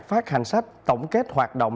phát hành sách tổng kết hoạt động